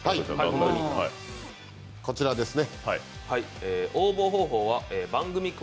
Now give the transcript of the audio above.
こちらですね。